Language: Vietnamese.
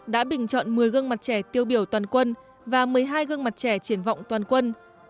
đã bình chọn một mươi gương mặt trẻ tiêu biểu toàn quân và một mươi hai gương mặt trẻ triển vọng toàn quân